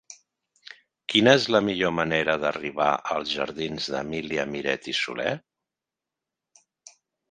Quina és la millor manera d'arribar als jardins d'Emília Miret i Soler?